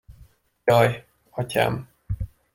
Jaj, atyám!